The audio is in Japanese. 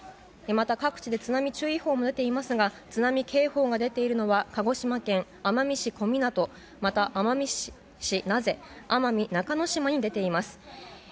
また各地で津波注意報も出ていますが津波警報が出ているのは鹿児島県奄美市小湊また奄美市名瀬奄美中之島に出ています。